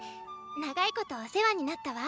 長いことお世話になったわ。